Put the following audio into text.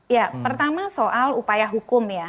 ya pertama soal upaya hukum ya